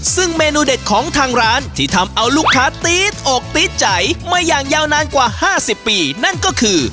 ซึ่งเมนูเด็ดของทางร้านที่ทำเอาลูกค้าตี๊ดอกตี๊ดใจมาอย่างยาวนานกว่า๕๐ปีนั่นก็คือ